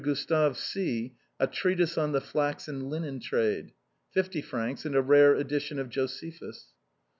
Gustave C a treatise on the flax and linen trade. 50 fr., and a rare edition of Josephus.